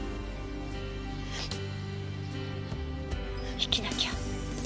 生きなきゃ。